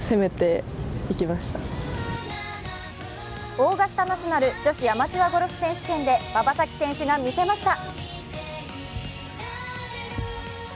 オーガスタ・ナショナル女子アマチュアゴルフ選手権で馬場咲希選手が見せました。